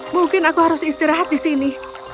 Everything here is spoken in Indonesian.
mungkin aku harus istirahat di sini